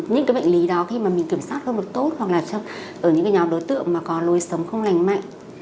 những bệnh lý đó khi mà mình kiểm soát không được tốt hoặc là trong những nhóm đối tượng mà có lôi sống không lành mạnh